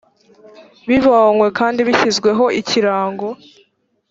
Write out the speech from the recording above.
bibonywe kandi bishyizweho ikirango